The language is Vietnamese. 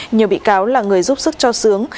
nhiều bị cáo là người giúp sức cho sướng